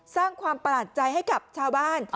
สร้างความประหลาดใจให้กับชาวบ้าน